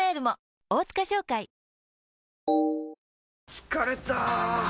疲れた！